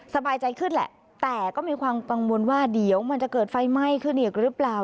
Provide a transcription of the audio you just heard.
สบายใจขึ้นแหละแต่ก็มีความกังวลว่าเดี๋ยวมันจะเกิดไฟไหม้ขึ้นอีกหรือเปล่า